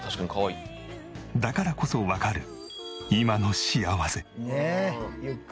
だからこそわかる今の幸せ。